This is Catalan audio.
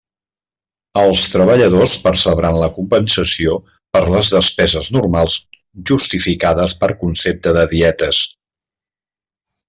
Els treballadors percebran la compensació per les despeses normals justificades per concepte de dietes.